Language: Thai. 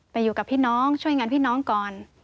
ไปอยู่กับพี่น้องช่วยงานพี่น้องก่อน